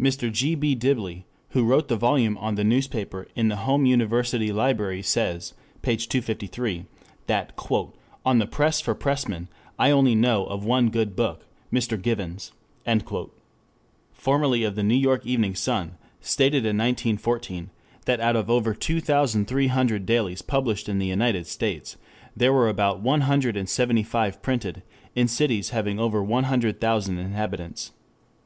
Mr. G. B. Diblee, who wrote the volume on The Newspaper in the Home University Library says (p. 253), that "on the press for pressmen I only know of one good book, Mr. Given's."] formerly of the New York Evening Sun, stated in 1914 that out of over two thousand three hundred dailies published in the United States, there were about one hundred and seventy five printed in cities having over one hundred thousand inhabitants.